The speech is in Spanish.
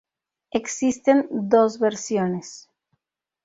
Existen dos versiones.